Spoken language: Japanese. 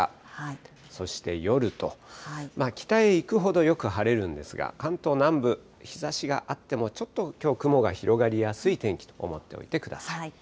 そして夜と、北へ行くほどよく晴れるんですが、関東南部、日ざしがあってもちょっときょう雲が広がりやすい天気と思っておいてください。